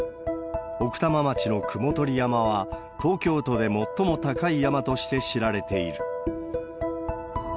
奥多摩町の雲取山は、東京都で最も高い山として知られている。